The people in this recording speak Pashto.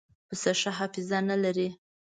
پسه ښه حافظه نه لري.